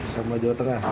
sama jawa tengah